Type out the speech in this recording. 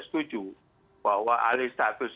setuju bahwa alih status